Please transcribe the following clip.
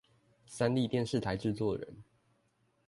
三立電視台製作人